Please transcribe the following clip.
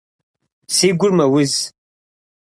Си гур мэуз.